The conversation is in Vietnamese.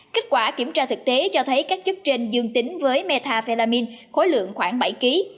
kết quả kiểm tra thực tế cho thấy các chất trên dương tính với metafelamin khối lượng khoảng bảy kg